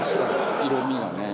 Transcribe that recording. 色味がね。